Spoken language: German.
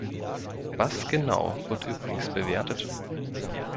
Was genau wird übrigens bewertet?